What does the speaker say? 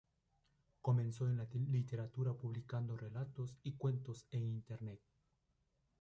Comenzó en la literatura publicando relatos y cuentos en internet.